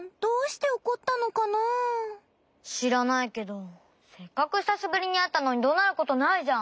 しらないけどせっかくひさしぶりにあったのにどなることないじゃん！